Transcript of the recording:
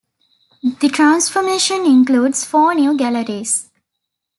The transformation includes four new galleries.